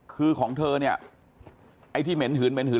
คือของเธอเนี่ยไอ้ที่เมนถือนเมนถือน